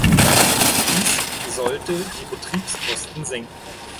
Dies sollte die Betriebskosten senken.